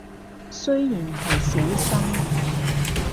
雖然係少深